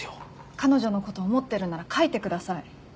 彼女のこと思ってるなら書いてください。